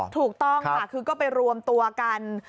ถูกต้องค่ะคือก็ไปรวมตัวกัน